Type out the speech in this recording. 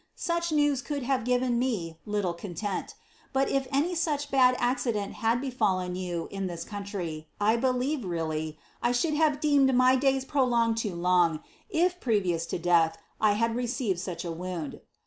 luch new* Oould have eiven me little conlem ; bul if aaj luch bad accident had berallen joa in Ibis couniiy. I believe, reall/. 1 ihould have deemed m]' Jayi prolDD|[ed too loaf, if, gireijoui to death, I had leccived Bocb ■ woimd.